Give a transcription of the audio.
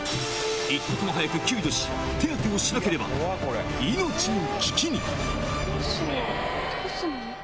一刻も早く救助し、手当てをしなければ、命の危機に。